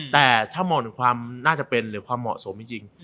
แต่ถ้ามองถึงความน่าจะเป็นหรือความเหมาะสมจริง